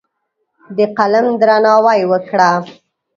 د قلم درناوی وکړه.